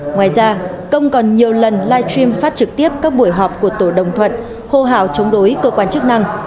ngoài ra công còn nhiều lần live stream phát trực tiếp các buổi họp của tổ đồng thuận hô hào chống đối cơ quan chức năng